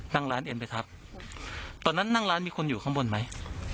นั่งร้านเอ็นไปทับตอนนั้นนั่งร้านมีคนอยู่ข้างบนไหม